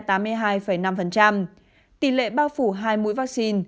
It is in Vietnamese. tỷ lệ bao phủ hai mũi vaccine